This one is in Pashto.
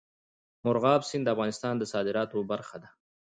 مورغاب سیند د افغانستان د صادراتو برخه ده.